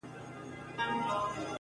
حقيقت د سور تر شا ورک پاتې کيږي تل-